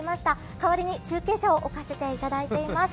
代わりに中継車を置かせていただいております。